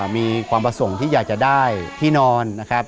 มีความประสงค์ที่อยากจะได้ที่นอนนะครับ